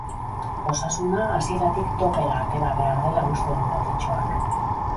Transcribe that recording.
Osasuna hasieratik topera atera behar dela uste du gorritxoak.